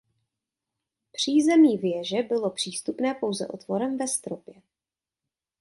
Přízemí věže bylo přístupné pouze otvorem ve stropě.